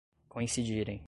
coincidirem